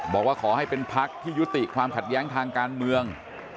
บอกว่าขอให้เป็นพักที่ยุติความขัดแย้งทางการเมือง